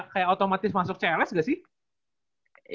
kayak otomatis masuk cls gak sih